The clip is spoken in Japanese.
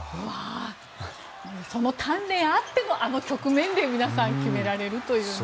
その鍛錬あってのあの局面で皆さん決められるという。